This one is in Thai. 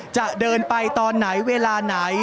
จะเดินไปตอนไหนเวลาไหน